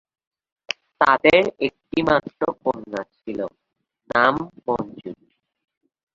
তাদের একটি মাত্র কন্যা ছিল, নাম মঞ্জুরি।